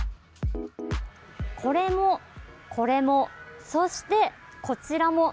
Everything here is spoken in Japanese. これも、これもそして、こちらも。